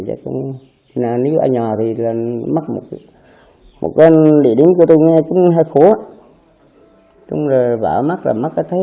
chắc cũng nếu ở nhà thì mất một cái địa điểm của tôi nghe cũng hơi khó chúng vợ mất là mất cái thế